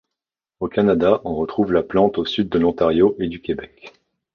Au Canada, on retrouve la plante au sud de l'Ontario et du Québec.